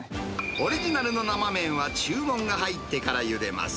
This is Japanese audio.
オリジナルの生麺は、注文が入ってからゆでます。